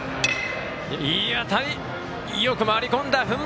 よく回り込んだ！